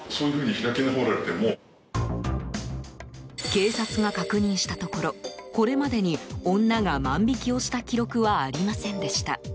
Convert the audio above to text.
警察が確認したところこれまでに女が万引きをした記録はありませんでした。